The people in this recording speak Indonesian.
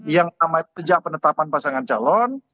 yang pertama itu sejak penetapan pasangan calon